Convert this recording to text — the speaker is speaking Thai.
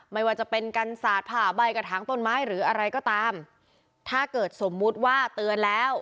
ไม่ว่าจะเป็นกันสาดผ่าใบกระถางต้นไม้หรืออะไรก็ตามถ้าเกิดสมมุติว่าเตือนแล้ว